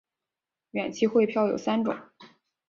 远期汇票有三种。